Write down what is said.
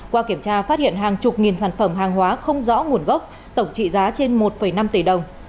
qua kiểm tra phát hiện hàng chục nghìn sản phẩm hàng hóa không rõ nguồn gốc tổng trị giá trên một năm tỷ đồng